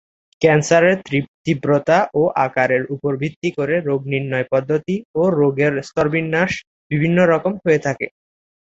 ক্যান্সারের তীব্রতা ও আকারের উপর ভিত্তি করে রোগ নির্ণয় পদ্ধতি ও রোগের স্তরবিন্যাস বিভিন্ন রকম হয়ে থাকে।